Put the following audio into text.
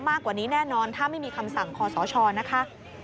มากกว่านี้แน่นอนถ้าไม่มีคำสั่งคอสชนะคะ